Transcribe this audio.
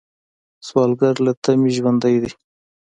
سوالګر له تمې ژوندی دی